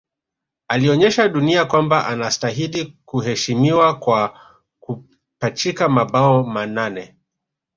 Alionyesha dunia kwamba anastahili kuheshimiwa kwa kupachika mabao manane